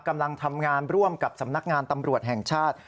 กำลังทำงานร่วมกับสำนักงานตำรวจแห่งชาติ